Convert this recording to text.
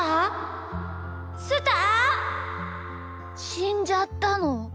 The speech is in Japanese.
しんじゃったの？